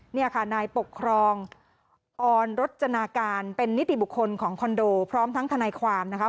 นี่ค่ะนายปกครองออนรจนาการเป็นนิติบุคคลของคอนโดพร้อมทั้งทนายความนะคะ